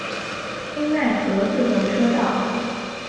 京奈和自动车道。